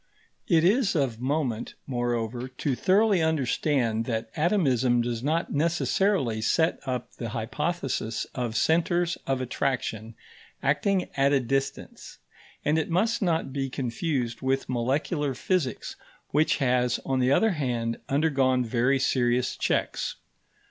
It is of moment, moreover, to thoroughly understand that atomism does not necessarily set up the hypothesis of centres of attraction acting at a distance, and it must not be confused with molecular physics, which has, on the other hand, undergone very serious checks.